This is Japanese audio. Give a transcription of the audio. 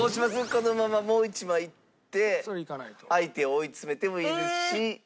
このままもう１枚いって相手を追い詰めてもいいですし。